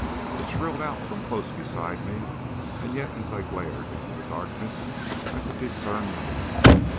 It shrilled out from close beside me, and yet as I glared into the darkness I could discern nothing.